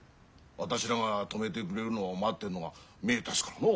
私らが止めてくれるのを待ってるのが見えたからのう。